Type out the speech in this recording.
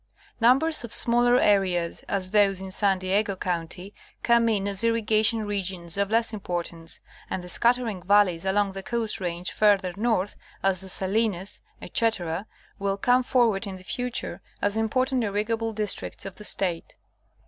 Numbers of smaller areas, as those in San Diego county, come in as irrigation regions of less importance, and the scattering valleys along the Coast Range farther north, as the Salinas, etc., will come forward in the future as important irrigable districts of the State.